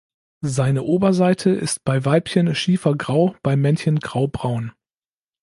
Seine Oberseite ist beim Weibchen schiefergrau, beim Männchen graubraun.